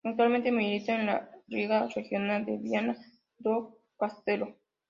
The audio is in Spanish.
Actualmente milita en la Liga Regional de Viana do Castelo.